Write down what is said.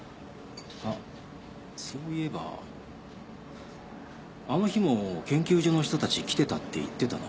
あっそういえばあの日も研究所の人たち来てたって言ってたな。